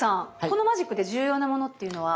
このマジックで重要なものっていうのは？